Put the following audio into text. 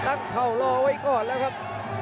ตั้งเขารอไว้ก่อนแล้วครับ